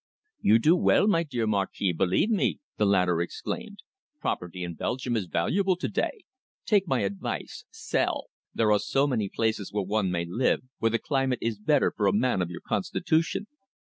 "You do well, my dear Marquis, believe me!" the latter exclaimed. "Property in Belgium is valuable to day. Take my advice. Sell. There are so many places where one may live, where the climate is better for a man of your constitution."